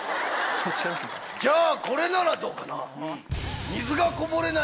じゃあ、これならどうかな。